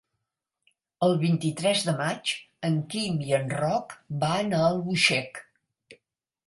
El vint-i-tres de maig en Quim i en Roc van a Albuixec.